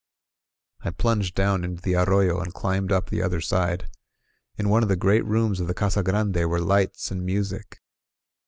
I plunged down into the ar royo, and climbed up the other side. In one of the great rooms of the Casa Grande were lights and music.